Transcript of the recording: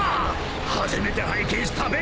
［初めて拝見したべ！